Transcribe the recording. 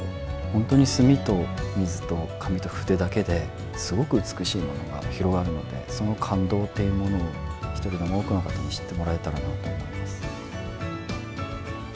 本当に墨と水と紙と筆だけで、すごく美しいものが広がるので、その感動というものを、一人でも多くの方に知ってもらえたらなと思います。